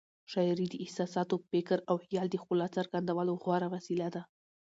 شاعري د احساساتو، فکر او خیال د ښکلا څرګندولو غوره وسیله ده.